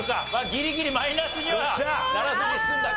ギリギリマイナスにはならずに済んだか。